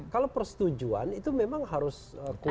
kalau persetujuan itu memang harus kuat